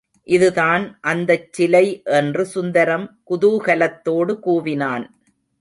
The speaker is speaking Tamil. இது தான் அந்தச்சிலை என்று சுந்தரம் குதூகலத்தோடு கூவினான்.